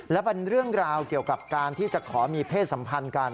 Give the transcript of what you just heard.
และเป็นเรื่องราวเกี่ยวกับการที่จะขอมีเพศสัมพันธ์กัน